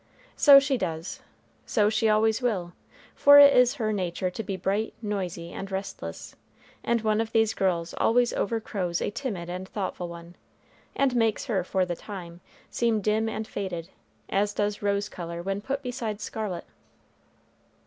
So she does, so she always will, for it is her nature to be bright, noisy, and restless; and one of these girls always overcrows a timid and thoughtful one, and makes her, for the time, seem dim and faded, as does rose color when put beside scarlet.